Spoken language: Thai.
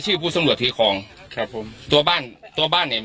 ผู้สำรวจทีคลองครับผมตัวบ้านตัวบ้านเนี้ย